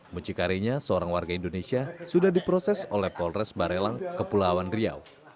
muncikarinya seorang warga indonesia sudah diproses oleh polres barelang ke pulau awan riau